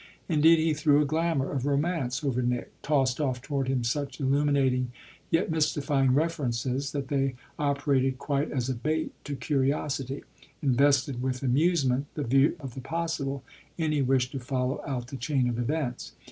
Indeed he threw a glamour of romance over Nick; tossed off toward him such illuminating yet mystifying references that they operated quite as a bait to curiosity, invested with amusement the view of the possible, any wish to follow out the chain of events.